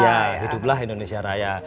ya hiduplah indonesia raya